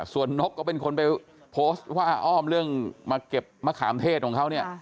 ส่วนนกก็เป็นคนไปโพสต์ว่าอ้อมเรื่องมาเก็บมะขามเทศของเขาเนี่ย